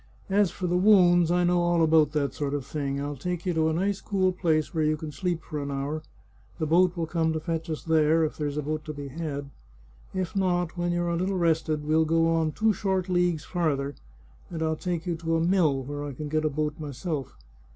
As for the wounds, I know all about that sort of thing. I'll take you to a nice cool place where you can sleep for an hour; the boat will come to fetch us there, if there's a boat to be had. If not, when you're a little rested we'll go on two short leagues farther, and I'll take you to a mill where I can get a boat myself.